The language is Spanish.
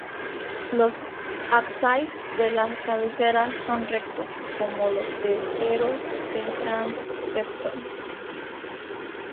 Los ábsides de la cabecera son rectos, como los testeros del transepto.